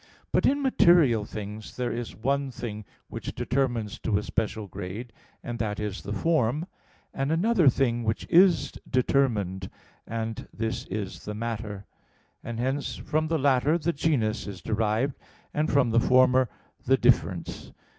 But in material things there is one thing which determines to a special grade, and that is the form; and another thing which is determined, and this is the matter; and hence from the latter the genus is derived, and from the former the "difference."